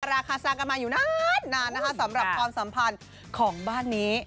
ราคาซางกันมาอยู่นานนะคะสำหรับความสัมพันธ์ของบ้านนี้